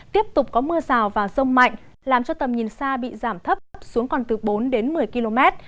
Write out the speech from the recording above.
tiếp tục có mưa rào và rông mạnh làm cho tầm nhìn xa bị giảm thấp xuống còn từ bốn đến một mươi km